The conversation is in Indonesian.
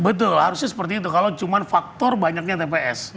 betul harusnya seperti itu kalau cuma faktor banyaknya tps